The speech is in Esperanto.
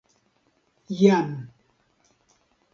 jam